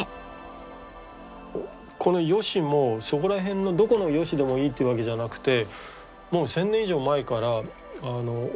このヨシもそこら辺のどこのヨシでもいいっていうわけじゃなくて。